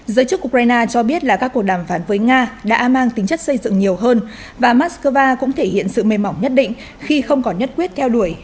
giới chức ukraine cho biết là các cuộc đàm phán với nga đã mang tính chất xây dựng nhiều hơn và moscow cũng thể hiện sự mềm mỏng nhất định khi không còn nhất quyết theo đuổi